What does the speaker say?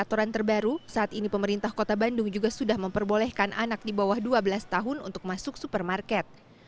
dan terbaru saat ini pemerintah kota bandung juga sudah memperbolehkan anak di bawah dua belas tahun untuk masuk supermarket